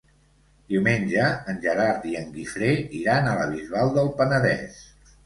Diumenge en Gerard i en Guifré iran a la Bisbal del Penedès.